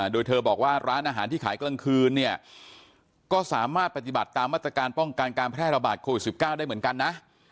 โดยเธอบอกว่าร้านอาหารที่ขายกลางคืนเนี่ยก็สามารถปฏิบัติตามมาตรการป้องกันการแพร่ระบาดโควิด๑๙ได้เหมือนกันนะ